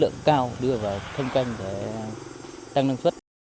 lượng cao đưa vào thâm canh để tăng năng suất